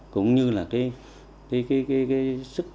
cũng như là cái sức